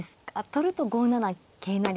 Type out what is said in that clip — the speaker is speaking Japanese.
取ると５七桂成。